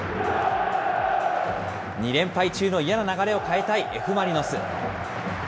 ２連敗中の嫌な流れを変えたいＦ・マリノス。